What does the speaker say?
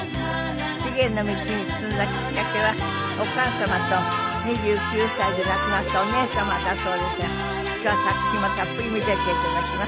手芸の道に進んだきっかけはお母様と２９歳で亡くなったお姉様だそうですが今日は作品もたっぷり見せて頂きます。